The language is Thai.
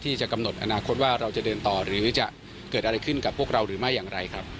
จะกำหนดอนาคตว่าเราจะเดินต่อหรือจะเกิดอะไรขึ้นกับพวกเราหรือไม่อย่างไรครับ